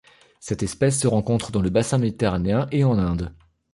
Cette espèce se rencontre dans le bassin méditerranéen et en Inde.